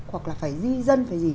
hoặc là phải di dân phải gì